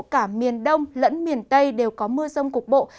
cả miền đông lẫn miền tây đều có mưa rông cục bộ